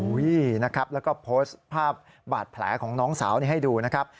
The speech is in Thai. นะครับแล้วก็โพสต์ภาพบาดแผลของน้องสาวให้ดูนะครับ